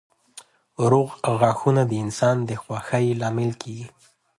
روغ غاښونه د انسان د خوښۍ لامل کېږي.